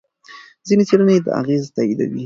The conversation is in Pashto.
ځینې څېړنې دا اغېز تاییدوي.